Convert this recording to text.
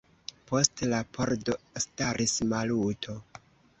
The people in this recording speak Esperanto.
Post la pordo staris Maluto.